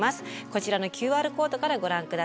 こちらのＱＲコードからご覧下さい。